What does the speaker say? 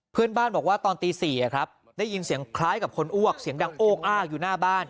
เพื่อนบ้านบอกว่าตอนตี๔ครับได้ยินเสียงคล้ายกับคนอ้วกเสียงดังโอกอ้ากอยู่หน้าบ้าน